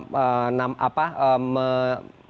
mengamperketat untuk terburuk